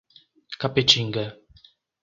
Capetinga